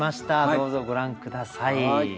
どうぞご覧下さい。